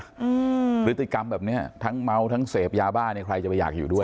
อืมพฤติกรรมแบบเนี้ยทั้งเมาทั้งเสพยาบ้าเนี้ยใครจะไปอยากอยู่ด้วย